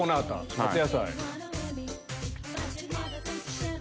夏野菜。